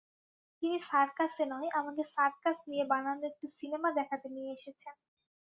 তিনি সার্কাসে নয়, আমাকে সার্কাস নিয়ে বানানো একটি সিনেমা দেখাতে নিয়ে এসেছেন।